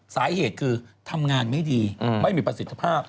สาเหตุคือทำงานไม่ดีไม่มีประสิทธิภาพ